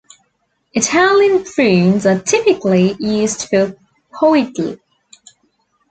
Italian prunes are typically used for powidl.